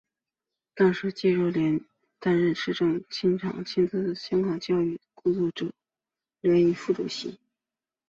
当时蔡若莲亦担任政治立场亲建制的香港教育工作者联会副主席。